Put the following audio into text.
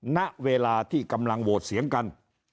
ณเวลาที่กำลังโหวตเสียงกัน